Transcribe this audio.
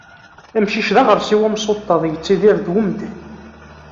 Amcic d aɣersiw amsuṭṭaḍ, yettidir d umdan.